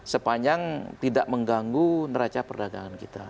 sepanjang tidak mengganggu neraca perdagangan kita